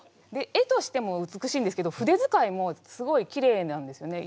絵としても美しいんですけど筆づかいもすごいきれいなんですよね。